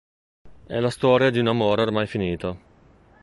È la storia di un amore ormai finito.